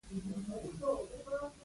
پوهنتونونه او د عامه شعور بټۍ یې پراخېږي.